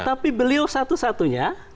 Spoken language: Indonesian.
tapi beliau satu satunya